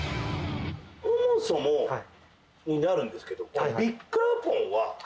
そもそもになるんですけど。